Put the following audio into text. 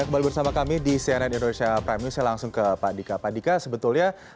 mencapai gelombang itu